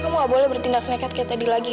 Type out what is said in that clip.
kamu nggak boleh bertindak nekat kayak tadi lagi ya